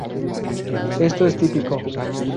Esto es típico.